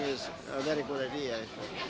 ini adalah ide yang sangat baik